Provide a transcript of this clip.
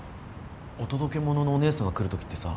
オトドケモノのお姉さんが来るときってさ。